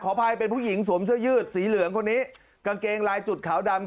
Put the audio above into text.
อภัยเป็นผู้หญิงสวมเสื้อยืดสีเหลืองคนนี้กางเกงลายจุดขาวดำ